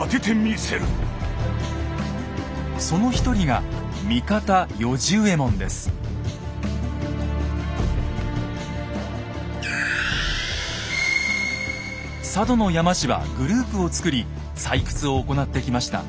その一人が佐渡の山師はグループを作り採掘を行ってきました。